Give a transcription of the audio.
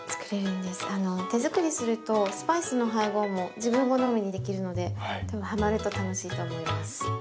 手作りするとスパイスの配合も自分好みにできるので多分ハマると楽しいと思います。